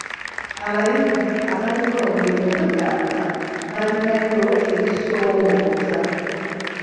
Abayizi abalina obulemu baagamba balinayo ebisoomooza.